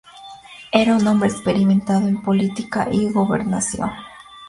Era un hombre experimentado en política y gobernación.